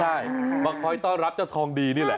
ใช่มาคอยต้อนรับเจ้าทองดีนี่แหละ